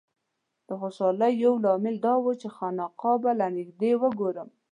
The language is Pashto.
د خوشالۍ یو لامل دا و چې خانقاه به له نږدې وګورم.